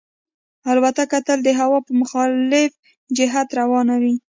الوتکه تل د هوا په مخالف جهت روانه وي.